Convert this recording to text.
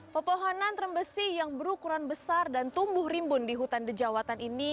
pepohonan terembesi yang berukuran besar dan tumbuh rimbun di hutan dejawatan ini